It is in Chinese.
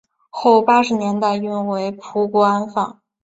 后八十年代运回葡国安放。